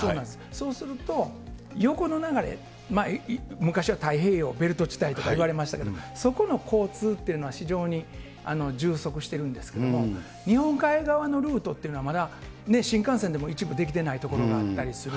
そうすると、横の流れ、昔は太平洋ベルト地帯とかっていわれましたけど、そこの交通というのは非常に充足してるんですけれども、日本海側のルートっていうのは、まだ新幹線でも一部できてない所があったりする。